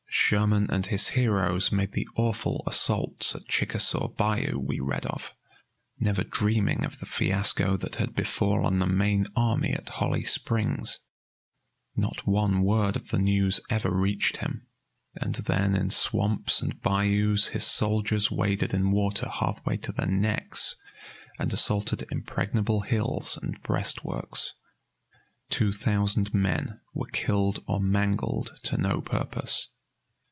Sherman and his heroes made the awful assaults at Chickasaw bayou we read of, never dreaming of the fiasco that had befallen the main army at Holly Springs. Not one word of the news ever reached him and then in swamps and bayous his soldiers waded in water halfway to their necks and assaulted impregnable hills and breastworks. Two thousand men were killed or mangled to no purpose.